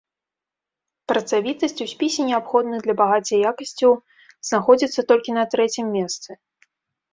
Працавітасць у спісе неабходных для багацця якасцяў знаходзіцца толькі на трэцім месцы.